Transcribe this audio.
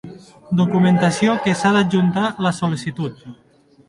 Documentació que s'ha d'adjuntar la sol·licitud.